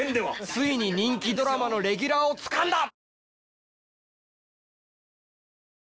ついに人気ドラマのレギュラーをつかんだ！